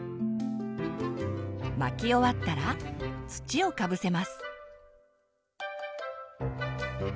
まき終わったら土をかぶせます。